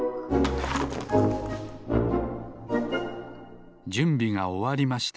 だいしてじゅんびがおわりました。